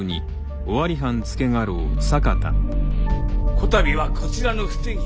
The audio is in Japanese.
こたびはこちらの不手際。